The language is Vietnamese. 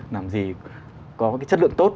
làm gì có cái chất lượng tốt